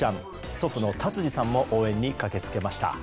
祖父の達治さんも応援に駆け付けました。